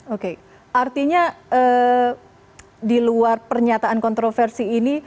oke artinya di luar pernyataan kontroversi ini